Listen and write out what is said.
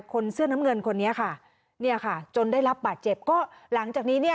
คนเสื้อน้ำเงินคนนี้ค่ะเนี่ยค่ะจนได้รับบาดเจ็บก็หลังจากนี้เนี่ย